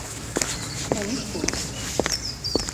Ну, і што ж?